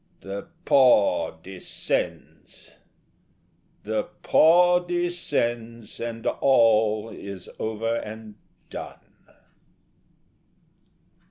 The paw descends; The paw descends and all is over and done.